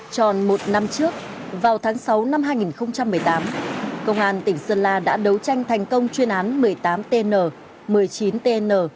tròn một năm trước vào tháng sáu năm hai nghìn một mươi tám công an tỉnh sơn la đã đấu tranh thành công chuyên án một mươi tám tn một mươi chín tn